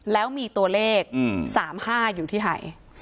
แล้วมีตัวเลข๓๕อยู่ที่หาย